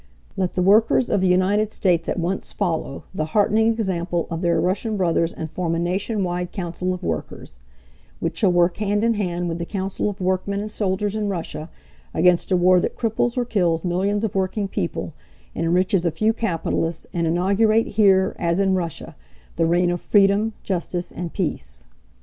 Let the workers of the United States at once follow the "heartening" example of their Russian brothers and form a nation wide "Council of Workers," which shall work hand in hand with "the Council of Workmen and Soldiers" in Russia against a war that cripples or kills millions of working people and enriches a few capitalists, and inaugurate here, as in Russia, the reign of freedom, justice and peace.